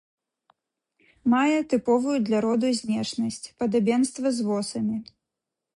Мае тыповую для роду знешнасць, падабенства з восамі.